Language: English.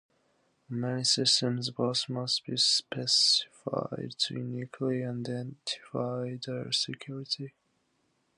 On many systems both must be specified to uniquely identify the security.